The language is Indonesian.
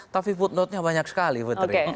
tapi footnotenya banyak sekali putri